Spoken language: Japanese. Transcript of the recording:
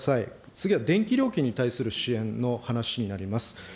次は電気料金に対する支援の話になります。